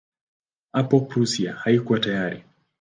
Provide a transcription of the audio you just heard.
Hapo Prussia haikuwa tayari.